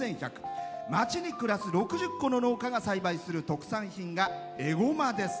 町に暮らす６０戸の農家が栽培する特産品がエゴマです。